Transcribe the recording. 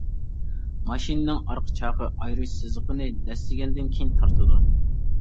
ماشىنىنىڭ ئارقا چاقى ئايرىش سىزىقىنى دەسسىگەندىن كېيىن تارتىدۇ.